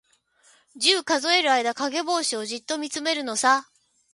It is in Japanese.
十、数える間、かげぼうしをじっとみつめるのさ。